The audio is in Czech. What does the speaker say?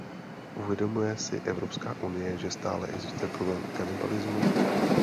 Uvědomuje si Evropská unie, že stále existuje problém kanibalismu?